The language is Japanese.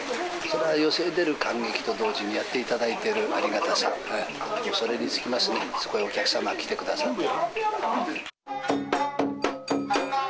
それは寄席へ出る感激と同時に、やっていただいてるありがたさ、それに尽きますね、そこへお客さんが来てくださって。